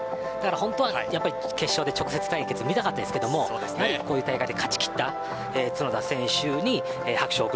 本当は決勝で直接対決が見たかったですがこういう大会で勝ち切った角田選手に拍手を